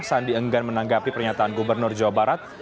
sandi enggan menanggapi pernyataan gubernur jawa barat